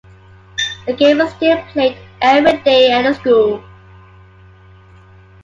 The game is still played every day at the school.